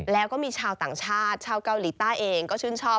แล้วก็มีชาวต่างชาติชาวเกาหลีใต้เองก็ชื่นชอบ